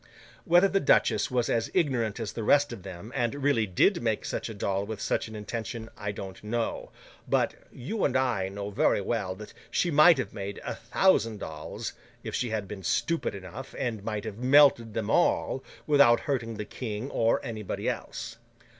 Whether the duchess was as ignorant as the rest of them, and really did make such a doll with such an intention, I don't know; but, you and I know very well that she might have made a thousand dolls, if she had been stupid enough, and might have melted them all, without hurting the King or anybody else.